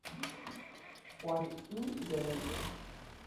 Juan N. Llorente.